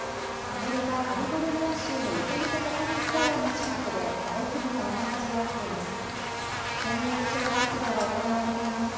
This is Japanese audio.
アメリカ・カリフォルニア州のヨセミテ国立公園の近くで大規模な山火事が起きています。